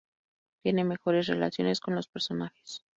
Tiene mejores relaciones con los personajes.